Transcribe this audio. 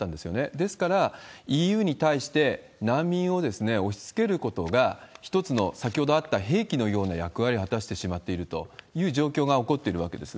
ですから、ＥＵに対して難民を押しつけることが一つの、先ほどあった、兵器のような役割を果たしてしまっているという状況が起こっているわけです。